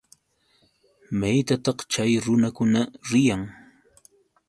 ¿Maytataq chay runakuna riyan?